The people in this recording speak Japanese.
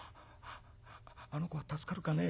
あの子は助かるかね？」。